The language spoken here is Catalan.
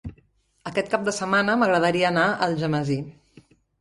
Aquest cap de setmana m'agradaria anar a Algemesí.